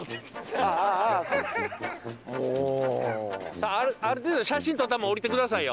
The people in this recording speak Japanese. さあある程度写真撮ったらもう降りて下さいよ。